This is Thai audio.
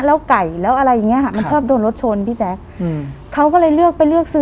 แล้วไก่แล้วอะไรอย่างนี้มันชอบโดนรถชนพี่แจ๊ค